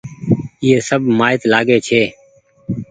ايئي سب مآئيت لآگي ڇي۔